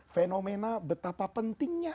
fenomena betapa pentingnya